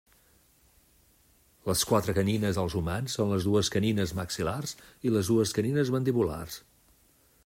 Les quatre canines dels humans són les dues canines maxil·lars i les dues canines mandibulars.